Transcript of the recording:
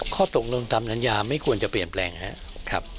ข้อตกลงตามสัญญาไม่ควรจะเปลี่ยนแปลงครับ